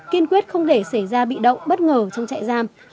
kiên quyết không để xảy ra bị động bất ngờ trong trại giam